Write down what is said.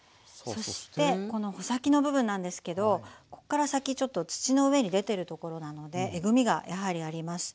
そしてこの穂先の部分なんですけどここから先ちょっと土の上に出てる所なのでえぐみがやはりあります。